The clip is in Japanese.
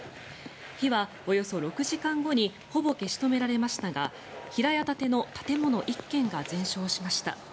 火はおよそ６時間後にほぼ消し止められましたが平屋建ての建物１軒が全焼しました。